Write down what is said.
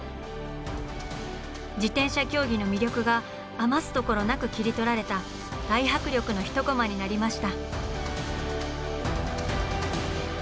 自転車競技の魅力が余すところなく切り取られた大迫力の１コマになりました。